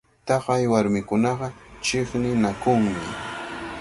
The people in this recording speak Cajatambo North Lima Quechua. Taqay warmikunaqa chiqninakunmi.